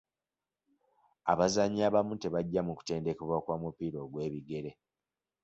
Abazannyi abamu tebajja mu kutendekebwa kwa mupiira ogw'ebigere.